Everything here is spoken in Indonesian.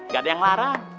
gak ada yang ngelarang